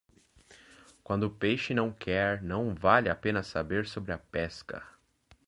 Quando o peixe não quer, não vale a pena saber sobre a pesca.